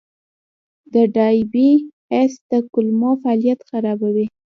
د ډایبی ایس د کولمو فعالیت خرابوي.